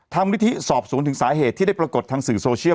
มูลนิธิสอบสวนถึงสาเหตุที่ได้ปรากฏทางสื่อโซเชียล